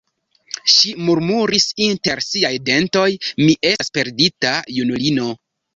Ŝi murmuris inter siaj dentoj: "Mi estas perdita junulino!"